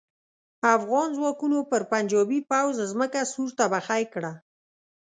افغان ځواکونو پر پنجاپي پوځ ځمکه سور تبخی کړه.